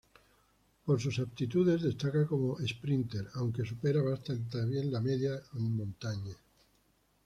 Por sus aptitudes destaca como esprínter, aunque supera bastante bien la media montaña.